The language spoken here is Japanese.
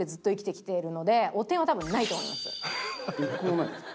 １個もないですか？